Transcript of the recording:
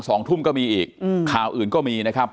สองทุ่มก็มีอีกอืมข่าวอื่นก็มีนะครับ